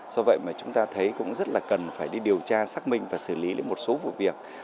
do vậy mà chúng ta thấy cũng rất là cần phải đi điều tra xác minh và xử lý đến một số vụ việc